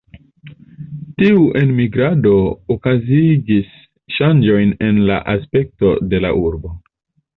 Tiu enmigrado okazigis ŝanĝojn en la aspekto de la urbo.